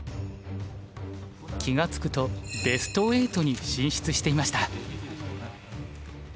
気が付くとベスト８に進出していました。